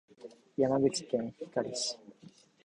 山口県光市